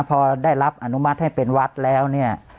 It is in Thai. พอได้รับอนุมัติให้เป็นวัดแล้วเนี่ย